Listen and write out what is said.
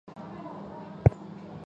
城市平均海拔为。